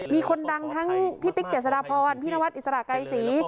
มีคนดังทั้งพี่ติ๊กเจษฎาพรพี่นวัดอิสระไกรศรี